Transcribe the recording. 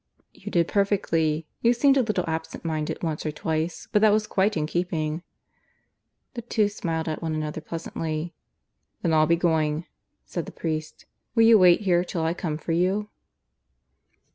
"You did perfectly. You seemed a little absent minded once or twice; but that was quite in keeping." The two smiled at one another pleasantly. "Then I'll be going," said the priest. "Will you wait here till I come for you?"